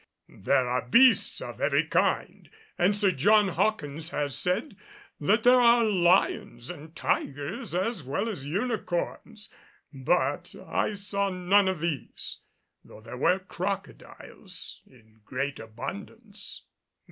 There are beasts of every kind, and Sir John Hawkins has said that there are lions and tigers as well as unicorns, but I saw none of these, though there were crocodiles in great abundance.